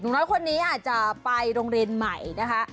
น้อยคนนี้อาจจะไปโรงเรียนใหม่นะคะ